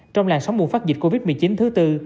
trong làn sóng mùa phát dịch covid một mươi chín thứ bốn